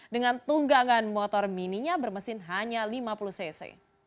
dengan tunggangan motor mininya bermesin hanya lima puluh cc